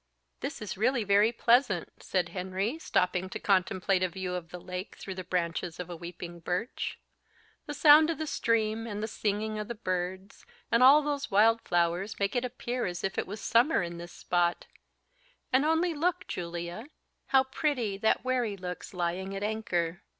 "This is really very pleasant," said Henry, stopping to contemplate a view of the lake through the branches of a weeping birch; "the sound of the stream, and the singing of the birds, and all those wild flowers make it appear as if it was summer in this spot; and only look, Julia, how pretty that wherry looks lying at anchor."